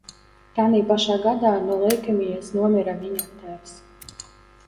Tanī pašā gadā no leikēmijas nomira viņa tēvs.